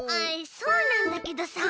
そうなんだけどさ。